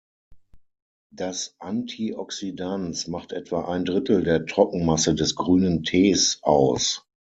Das Antioxidans macht etwa ein Drittel der Trockenmasse des grünen Tees aus.